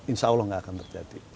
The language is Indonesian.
insya allah tidak akan terjadi